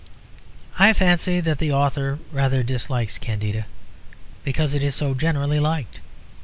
I fancy that the author rather dislikes Candida because it is so generally liked.